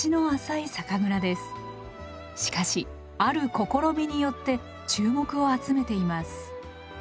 しかしある試みによって注目を集めています。